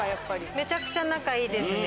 めちゃくちゃ仲いいですね。